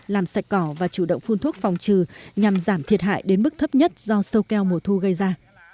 làm sạch cỏ và chủ động phun thuốc phòng trừ nhằm giảm thiệt hại đến mức thấp nhất do sâu keo mùa thu gây ra